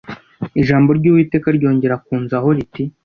Ijambo ry’Uwiteka ryongera kunzaho riti